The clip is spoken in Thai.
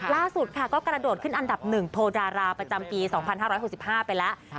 ล่าสุดค่ะก็กระโดดขึ้นอันดับ๑โทรดาราประจำปี๒๕๖๕ไปแล้ว